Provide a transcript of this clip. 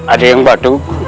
ada yang bantu